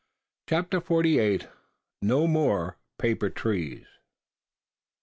CHAPTER FORTY EIGHT. NO MORE PAPER TREES!